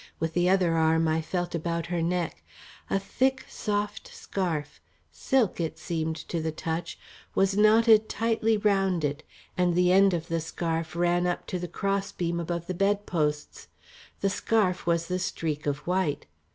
With the other arm I felt about her neck. A thick soft scarf silk it seemed to the touch was knotted tightly round it, and the end of the scarf ran up to the cross beam above the bed posts. The scarf was the streak of white.